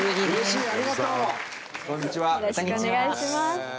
よろしくお願いします。